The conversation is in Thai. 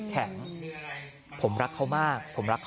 เธอทำอะไรของไว้